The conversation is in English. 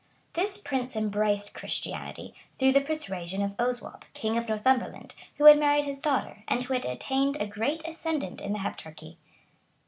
Sax. p. 22.] This prince embraced Christianity,[*] through the persuasion of Oswald, king of Northumberland, who had married his daughter, and who had Attained a great ascendant in the Heptarchy.